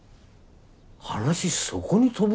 話そこに飛ぶ？